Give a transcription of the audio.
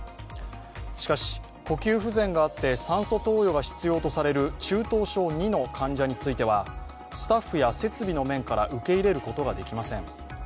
しかし、呼吸不全があって酸素投与が必要とされる中等症Ⅱの患者については、スタッフや設備の面から受け入れることができません。